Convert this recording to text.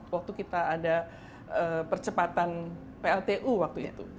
waktu kita ada percepatan pltu waktu itu